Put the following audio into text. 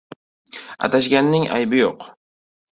• Adashganning aybi yo‘q.